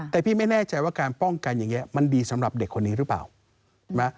แต่พี่ไม่แน่ใจว่าการป้องกันอย่างนี้มันดีสำหรับเด็กคนนี้หรือเปล่านะ